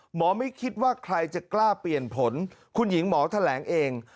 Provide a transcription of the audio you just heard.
ไม่คิดว่าใครจะกล้าเปลี่ยนผลคุณหญิงหมอแถลงเอง